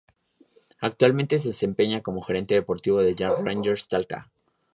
Actualmente se desempeña como Gerente deportivo de Rangers de Talca.